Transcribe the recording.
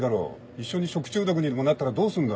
一緒に食中毒にでもなったらどうすんだ？